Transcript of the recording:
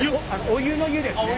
お湯の湯ですね。